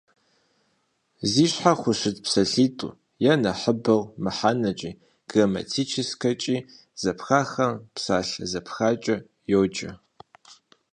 Зи щхьэ хущыт псалъитӏу е нэхъыбэу мыхьэнэкӏи грамматическэкӏи зэпхахэм псалъэ зэпхакӏэ йоджэ.